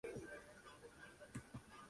El borde del cráter tiene forma circular.